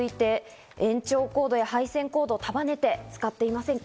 続いて、延長コードや配線コードを束ねて使っていませんか？